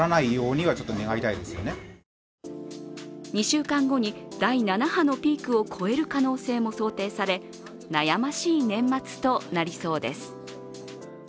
２週間後に第７波のピークを超える可能性も想定され悩ましい年末となりそうです。